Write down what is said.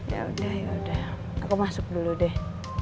yaudah yaudah aku masuk dulu deh